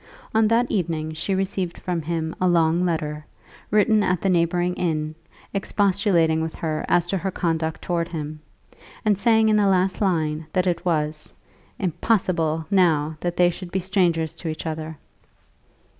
On that evening she received from him a long letter, written at the neighbouring inn, expostulating with her as to her conduct towards him, and saying in the last line, that it was "impossible now that they should be strangers to each other."